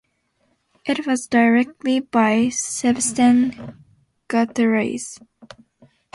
It was directed by Sebastian Gutierrez.